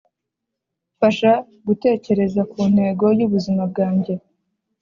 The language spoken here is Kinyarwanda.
mfasha gutekereza ku ntego y'ubuzima bwanjye.